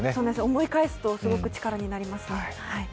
思い返すとすごく力になりますね。